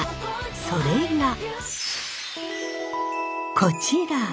それがこちら。